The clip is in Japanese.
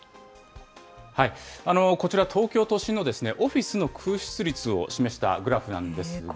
こちら東京都心のオフィスの空室率を示したグラフなんですが。